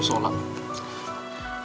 masalah rhub faithful